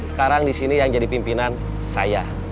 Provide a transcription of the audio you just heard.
sekarang di sini yang jadi pimpinan saya